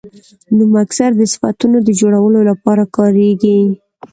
نوم اکثره د صفتونو د جوړولو له پاره کاریږي.